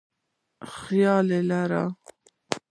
خیال کې لري.